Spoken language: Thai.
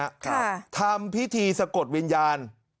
บีครับค่ะทำพิธีสะกดวิญญาณ